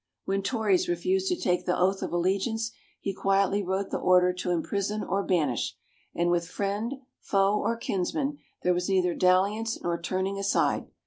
When Tories refused to take the oath of allegiance he quietly wrote the order to imprison or banish; and with friend, foe or kinsman there was neither dalliance nor turning aside.